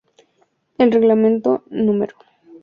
El Reglamento No.